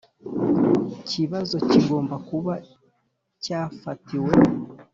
Kibazo kigomba kuba cyafatiwe